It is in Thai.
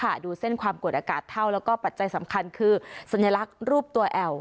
ดูเส้นความกดอากาศเท่าแล้วก็ปัจจัยสำคัญคือสัญลักษณ์รูปตัวแอล